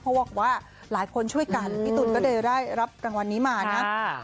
เพราะว่าหลายคนช่วยกันพี่ตูนก็เลยได้รับรางวัลนี้มานะครับ